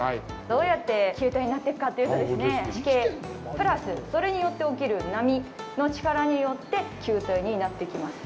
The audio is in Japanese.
どうやって球体になっていくかというと、地形プラス、それによって起きる波の力によって球体になっていきます。